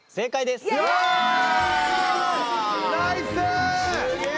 すげえ！